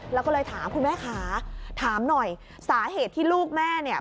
แล้วก็เลยถามคุณแม่ค่ะถามหน่อยสาเหตุที่ลูกแม่เนี่ย